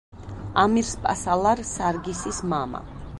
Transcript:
ამირსპასალარ სარგისის მამა.